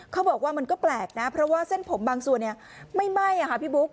เขาบอกว่ามันก็แปลกนะเพราะว่าเส้นผมบางส่วนไม่ไหม้ค่ะพี่บุ๊ค